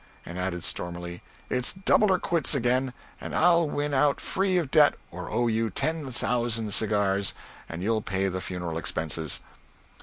and added stormily, "it's double or quits again, and I'll win out free of debt or owe you ten thousand cigars, and you'll pay the funeral expenses."